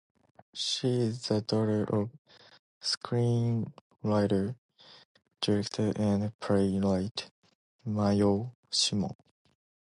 She is the daughter of screenwriter, director and playwright Mayo Simon.